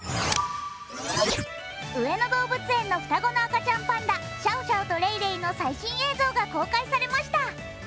上野動物園の双子の赤ちゃんパンダ、シャオシャオとレイレイの最新映像が公開されました。